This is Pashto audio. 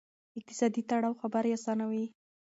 اقتصادي تړاو خبرې آسانوي.